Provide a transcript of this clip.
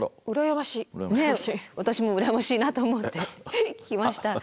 ねえ私もうらやましいなと思って聞きました。